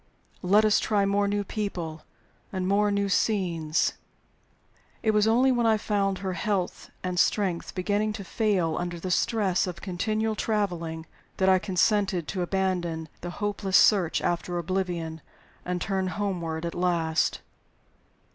Let us try more new people and more new scenes." It was only when I found her health and strength beginning to fail under the stress of continual traveling that I consented to abandon the hopeless search after oblivion, and to turn homeward at last.